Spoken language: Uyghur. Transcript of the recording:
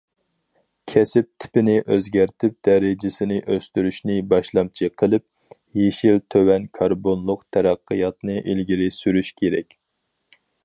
كەسىپ تىپىنى ئۆزگەرتىپ دەرىجىسىنى ئۆستۈرۈشنى باشلامچى قىلىپ، يېشىل، تۆۋەن كاربونلۇق تەرەققىياتنى ئىلگىرى سۈرۈش كېرەك.